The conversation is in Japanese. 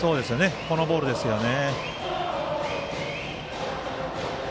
このボールですよね。